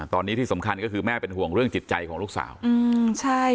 ตอนนี้ที่สำคัญก็คือแม่เป็นห่วงเรื่องจิตใจของลูกสาวอืมใช่